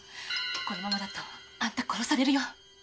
このままだとあんた殺されるよ。